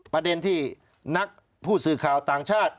ประเด็นที่นักผู้สื่อข่าวต่างชาติ